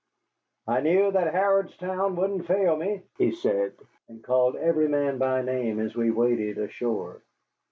"I knew that Harrodstown wouldn't fail me," he said, and called every man by name as we waded ashore.